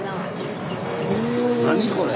何これ。